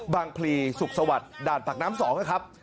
บางพลีสุขสวรรค์ด่านผลักน้ำ๒นะครับ